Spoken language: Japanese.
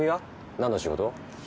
何の仕事？